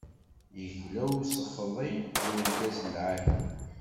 Igla, usexḍi, d urgaz lɛali.